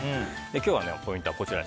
今日のポイントはこちら。